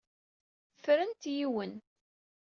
Fernet yiwet.